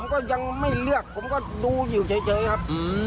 ก็ยังไม่เลือกผมก็ดูอยู่เฉยครับ